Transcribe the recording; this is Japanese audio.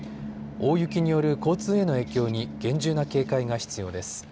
大雪による交通への影響に厳重な警戒が必要です。